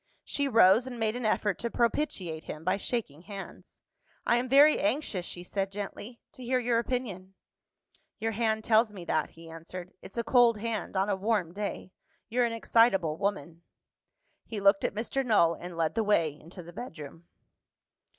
She rose, and made an effort to propitiate him by shaking hands. "I am very anxious," she said gently, "to hear your opinion." "Your hand tells me that," he answered. "It's a cold hand, on a warm day. You're an excitable woman." He looked at Mr. Null, and led the way into the bedroom.